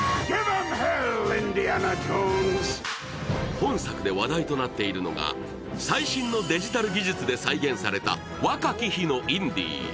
本作で話題となっているのが最新のデジタル技術で再現された若き日のインディ。